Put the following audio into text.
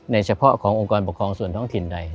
เฉพาะขององค์กรปกครองส่วนท้องถิ่นใด